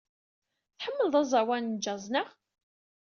Tḥemmleḍ aẓawan n jazz, naɣ?